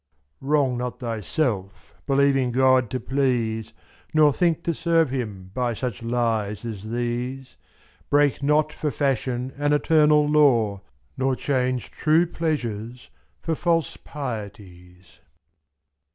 Wrong not thyself, believing God to please. Nor think to serve Him by such lies as these, t24.Break not for fashion an eternal law. Nor change true pleasures for false pieties.